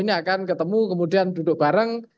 ini akan ketemu kemudian duduk bareng